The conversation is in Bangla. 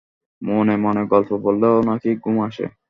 মনে-মনে গল্প বললেও নাকি ঘুম আসে।